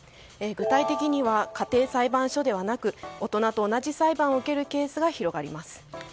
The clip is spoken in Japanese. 具体的には家庭裁判所ではなく、大人と同じ裁判を受けるケースが広がります。